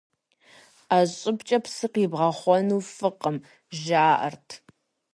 Ӏэ щӀыбкӀэ псы къибгъэхъуэну фӀыкъым, жаӀэрт.